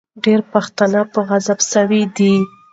ډېر پښتانه په عذاب سوي دي.